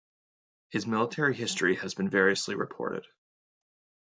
His military history has been variously reported.